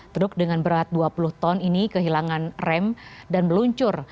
truk dengan berat dua puluh ton ini kehilangan rem dan meluncur